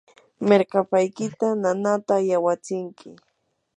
mirkapaykita nanaata yawatsinki.